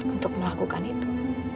untuk melakukan itu